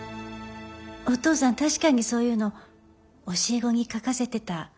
お父さん確かにそういうの教え子に書かせてた。